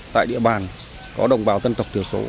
tại địa bàn có đồng bào dân tộc thiểu số